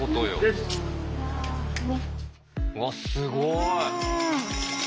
うわすごい！